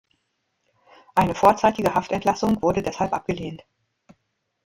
Eine vorzeitige Haftentlassung wurde deshalb abgelehnt.